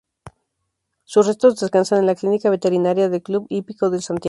Sus restos descansan en la clínica veterinaria del Club Hípico de Santiago.